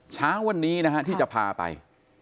เช้าวันนี้นะฮะที่จะพาไป